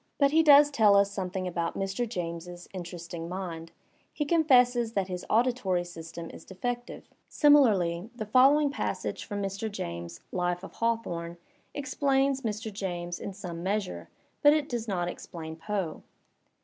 But he does tell us something about Mr. James's interesting mind; he confesses that his auditory system is defective. Similarly, the following passage from Mr. James's '* life of Hawthorne" explains Mr. James in some measure, but it does not explain Poe.